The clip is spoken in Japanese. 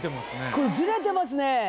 これずれてますね。